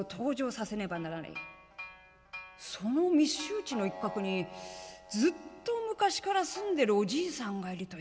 その密集地の一角にずっと昔から住んでるおじいさんがいるという。